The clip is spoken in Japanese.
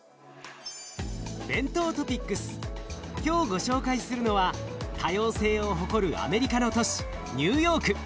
今日ご紹介するのは多様性を誇るアメリカの都市ニューヨーク。